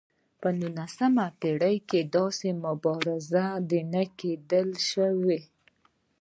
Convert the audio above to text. په نولسمه پېړۍ کې داسې مبارز نه دی لیدل شوی.